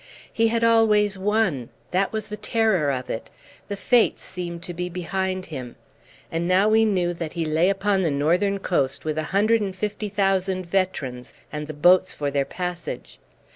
He had always won: that was the terror of it. The Fates seemed to be behind him. And now we knew that he lay upon the northern coast with a hundred and fifty thousand veterans, and the boats for their passage.